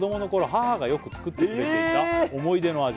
母がよく作ってくれていた思い出の味